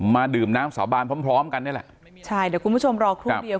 มาดื่มน้ำสาบานพร้อมพร้อมกันนี่แหละใช่เดี๋ยวคุณผู้ชมรอครู่เดียว